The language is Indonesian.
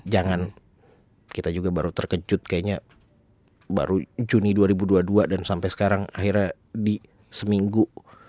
jangan kita juga baru terkejut kayaknya baru juni dua ribu dua puluh dua dan sampai sekarang akhirnya di seminggu